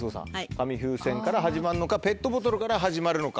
紙風船から始まるのかペットボトルから始まるのか。